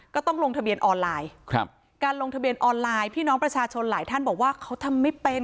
ต้องลงทะเบียนออนไลน์ครับการลงทะเบียนออนไลน์พี่น้องประชาชนหลายท่านบอกว่าเขาทำไม่เป็น